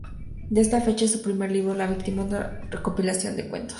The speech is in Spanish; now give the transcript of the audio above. De esta fecha es su primer libro "La víctima", una recopilación de cuentos.